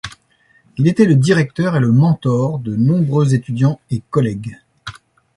Il était le directeur et le mentor de nombreux étudiants et collègues.